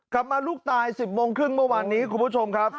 กลับมาลูกตาย๑๐โมงครึ่งเมื่อวานนี้คุณผู้ชมครับ